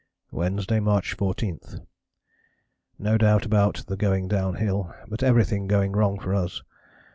"Wednesday, March 14. No doubt about the going downhill, but everything going wrong for us.